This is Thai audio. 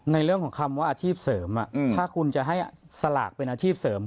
ในเรื่องของคำว่าอาชีพเสริมถ้าคุณจะให้สลากเป็นอาชีพเสริม